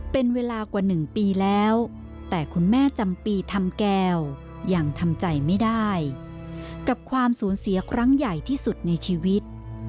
เป็นเวลากว่า๑ปีแล้วแต่คุณแม่จำปีทำแก้วยังทำใจไม่ได้กับความสูญเสียครั้งใหญ่ที่สุดในชีวิต